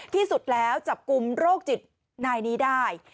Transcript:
ที่สุดแล้วจับกลุ่มโรคจิตนายนี้ได้